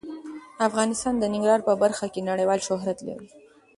افغانستان د ننګرهار په برخه کې نړیوال شهرت لري.